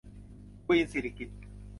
ควีนสิริกิติ์